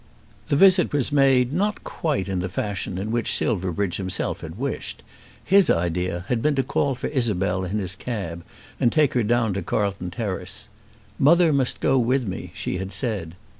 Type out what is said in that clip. The visit was made not quite in the fashion in which Silverbridge himself had wished. His idea had been to call for Isabel in his cab and take her down to Carlton Terrace. "Mother must go with me," she had said.